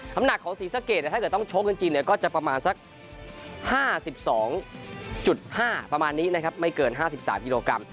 สำหนักของสีเซอร์เกจเนี่ยถ้าเกิดต้องชกจริงจริงเนี่ยก็จะประมาณสักห้าสิบสองจุดห้าประมาณนี้นะครับไม่เกินห้าสิบสามกิโลกรัม